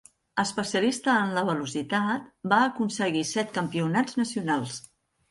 Especialista en la Velocitat, va aconseguir set campionats nacionals.